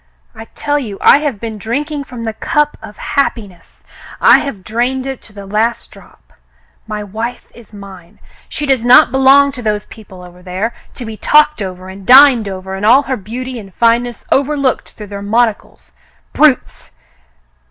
I tell you I have been drink ing from the cup of happiness. I have drained it to the last drop. My wife is mine. She does not belong to those people over there, to be talked over, and dined over, and all her beauty and fineness overlooked through their mon ocles — brutes